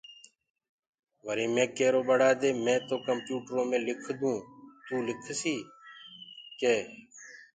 وريٚ مي ڪيرو ٻڙآ دي مي تو ڪمپيوٽرو مي لکدونٚ تو لکسيٚ ڪي